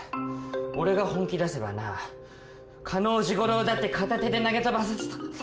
俺が本気出せばな嘉納治五郎だって片手で投げ飛ばさせささ